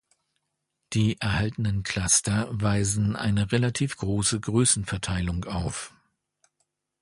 Die erhaltenen Cluster weisen eine relativ große Größenverteilung auf.